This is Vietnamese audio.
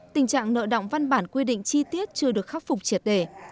tình trạng nợ động văn bản quy định chi tiết chưa được khắc phục triệt đề